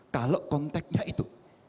kalau konteknya itu